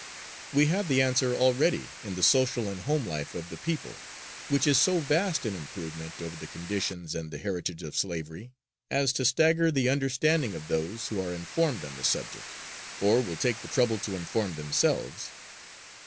We have the answer already in the social and home life of the people, which is so vast an improvement over the conditions and the heritage of slavery as to stagger the understanding of those who are informed on the subject, or will take the trouble to inform themselves.